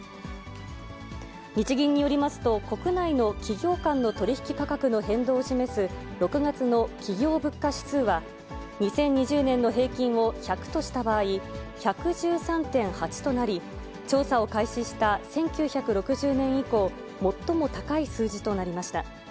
日銀によりますと、国内の企業間の取り引き価格の変動を示す、６月の企業物価指数は、２０２０年の平均を１００とした場合、１１３．８となり、調査を開始した１９６０年以降、最も高い数字となりました。